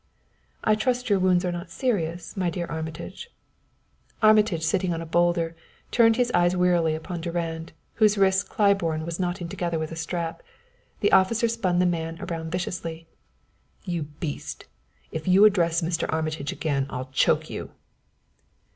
"I trust your wounds are not serious, my dear Armitage " Armitage, sitting on a boulder, turned his eyes wearily upon Durand, whose wrists Claiborne was knotting together with a strap. The officer spun the man around viciously. "You beast, if you address Mr. Armitage again I'll choke you!"